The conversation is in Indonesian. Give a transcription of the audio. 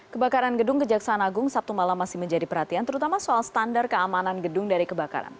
kebakaran gedung kejaksaan agung sabtu malam masih menjadi perhatian terutama soal standar keamanan gedung dari kebakaran